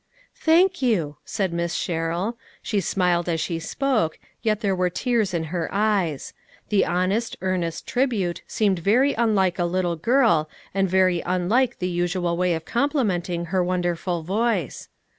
" Thank you," said Miss Sherrill ; she smiled as she spoke, yet there were tears in her eyes ; the honest, earnest tribute seemed very unlike a little girl, and very unlike the usual way of com plimenting her wonderful voice.